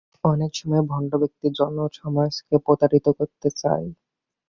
অনেক সময়েই ভণ্ডব্যক্তি জনসমাজকে প্রতারিত করিতে চায়।